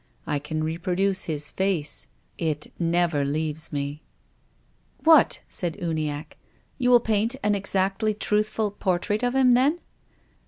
I can reproduce his face. It never leaves me." " What !" said Uniacke. " You will paint an exactly truthful portrait of him then